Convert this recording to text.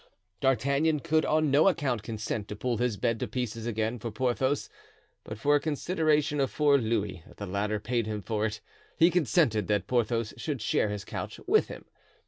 D'Artagnan could on no account consent to pull his bed to pieces again for Porthos, but for a consideration of four louis that the latter paid him for it, he consented that Porthos should share his couch with him.